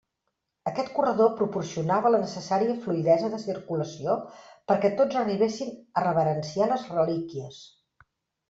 Aquest corredor proporcionava la necessària fluïdesa de circulació perquè tots arribessin a reverenciar les relíquies.